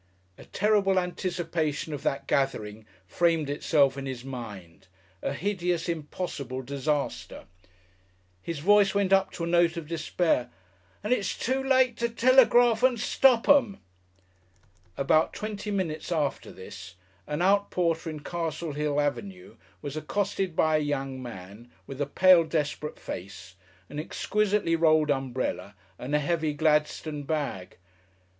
A terrible anticipation of that gathering framed itself in his mind a hideous, impossible disaster. His voice went up to a note of despair, "And it's too late to telegrarf and stop 'em!" About twenty minutes after this, an outporter in Castle Hill Avenue was accosted by a young man, with a pale, desperate face, an exquisitely rolled umbrella and a heavy Gladstone bag.